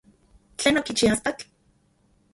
¿Tlen okichi astatl?